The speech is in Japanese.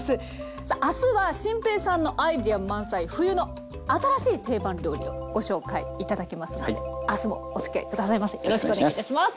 さあ明日は心平さんのアイデア満載冬の新しい定番料理をご紹介頂きますので明日もおつきあい下さいませ。